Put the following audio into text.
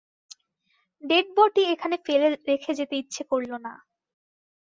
ড়েড়বডি এখানে ফেলে রেখে যেতে ইচ্ছা করল না।